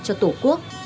cho tổ quốc